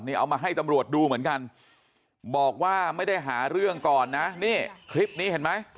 นี่เอามาให้ตำรวจดูเหมือนกันบอกว่าไม่ได้หาเรื่องก่อนนะนี่คลิปนี้เห็นไหม